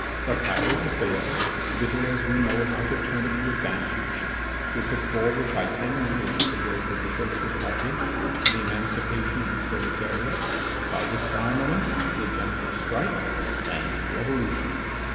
"The Pyrot affair, little as we know how to turn it to advantage, will put forward by ten years the growth of the Social party and the emancipation of the proletariat, by disarmament, the general strike, and revolution."